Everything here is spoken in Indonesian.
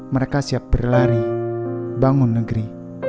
mereka siap berlari bangun negeri